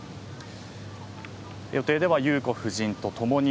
予定では、裕子夫人とともに